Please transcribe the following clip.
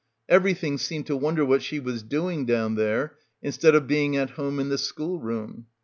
Everything seemed to wonder what she was doing down there instead of being at home in the schoolroom.